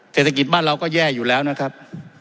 เศรษฐกิจบ้านเราก็แย่อยู่แล้วนะครับ